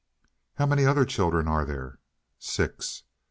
"How many other children are there?" "Six."